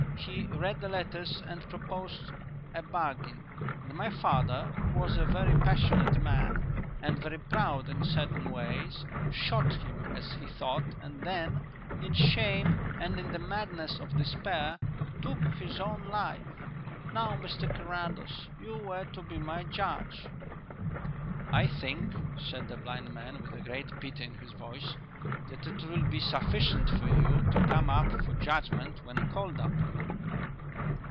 He read the letters and proposed a bargain. And my father, who was a very passionate man, and very proud in certain ways, shot him as he thought, and then, in shame and in the madness of despair, took his own life.... Now, Mr Carrados, you were to be my judge." "I think," said the blind man, with a great pity in his voice, "that it will be sufficient for you to come up for Judgment when called upon."